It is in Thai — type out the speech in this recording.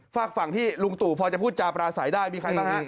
ฝากฝั่งที่ลุงตู่พอจะพูดจาปราศัยได้มีใครบ้างฮะ